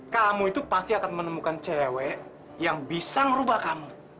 kamu itu pasti akan menemukan cewek yang bisa merubah kamu